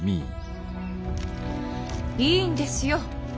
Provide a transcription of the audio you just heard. いいんですよ。